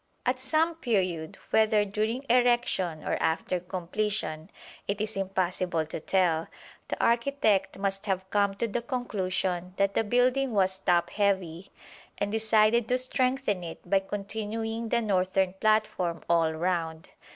At some period, whether during erection or after completion it is impossible to tell, the architect must have come to the conclusion that the building was top heavy, and decided to strengthen it by continuing the northern platform all round.